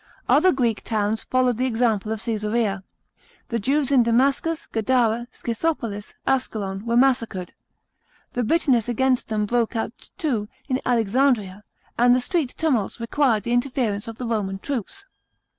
Other Greek townt followed the example of Csesarea. The Jews in Damascus, Gadara, Scy thopolis, Ascalon, were massacred. The bitterness against them broke out, too, in Alexandria, and the street tumults required the interference of the Roman troops.